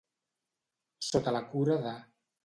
Sota la cura de.